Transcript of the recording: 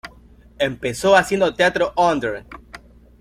Empezó haciendo teatro under.